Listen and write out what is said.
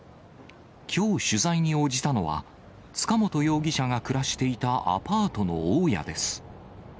きょう取材に応じたのは、塚本容疑者が暮らしていたアパートの大家です。